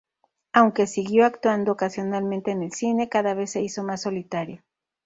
Aunque siguió actuando ocasionalmente en el cine, cada vez se hizo más solitario.